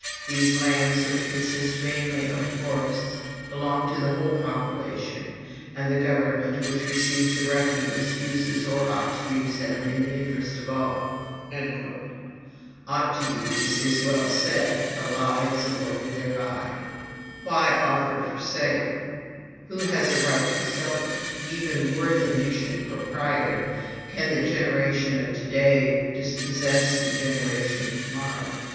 These lands, which consist mainly of forests, belong to the whole population, and the government, which receives the revenues, uses or ought to use them in the interest of all." OUGHT TO USE is well said: a lie is avoided thereby. "Let them be offered for sale...." Why offered for sale? Who has a right to sell them? Even were the nation proprietor, can the generation of to day dispossess the generation of to morrow?